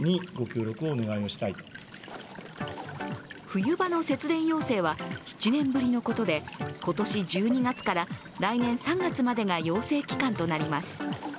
冬場の節電要請は７年ぶりのことで、今年１２月から来年３月までが要請期間となります。